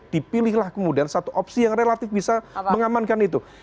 dipilihlah kemudian satu opsi yang relatif bisa mengamankan itu